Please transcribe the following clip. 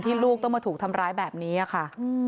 ลูกต้องมาถูกทำร้ายแบบนี้ค่ะ